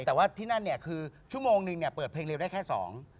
แต่ว่าที่นั่นเนี่ยคือชั่วโมงนึงเนี่ยเปิดเพลงเร็วได้แค่สอง